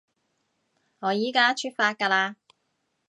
我依加出發㗎喇